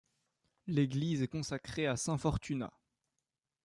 L'église est consacrée à saint Fortunat.